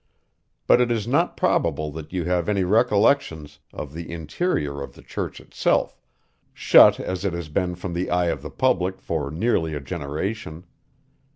But it is not probable that you have any recollections of the interior of the church itself, shut as it has been from the eye of the public for nearly a generation.